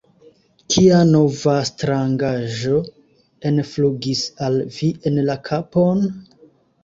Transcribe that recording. Kia nova strangaĵo enflugis al vi en la kapon?